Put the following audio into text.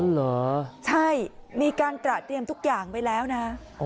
เหรอใช่มีการตระเตรียมทุกอย่างไว้แล้วนะ